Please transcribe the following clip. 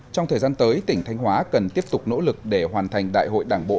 trong thời gian tới tỉnh thanh hóa cần tiếp tục nỗ lực để hoàn thành đại hội đảng bộ